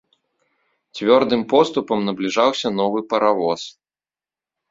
Цвёрдым поступам набліжаўся новы паравоз.